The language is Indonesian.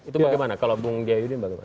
itu bagaimana kalau bung gya yudi mbak gopal